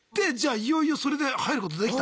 いよいよそれで入ることできた？